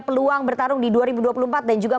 peluang bertarung di dua ribu dua puluh empat dan juga